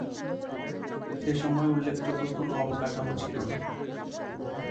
সেসময় উল্লেখযোগ্য কোন অবকাঠামো ছিল না।